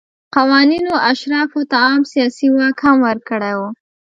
قوانینو اشرافو ته عام سیاسي واک هم ورکړی و.